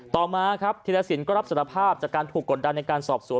ต่อมาครับธิรสินก็รับสารภาพจากการถูกกดดันในการสอบสวน